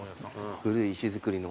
古い石造りの。